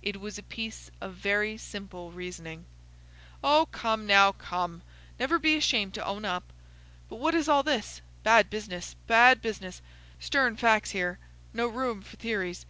"It was a piece of very simple reasoning." "Oh, come, now, come! Never be ashamed to own up. But what is all this? Bad business! Bad business! Stern facts here,—no room for theories.